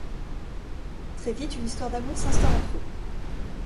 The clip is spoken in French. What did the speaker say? Très vite, une histoire d'amour s'instaure entre eux.